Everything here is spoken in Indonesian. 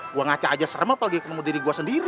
gue ngaca aja serem apalagi ketemu diri gue sendiri